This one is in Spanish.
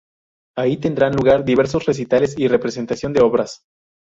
Ahí tendrán lugar diversos recitales y representación de obras.